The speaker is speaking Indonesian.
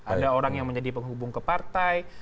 ada orang yang menjadi penghubung ke partai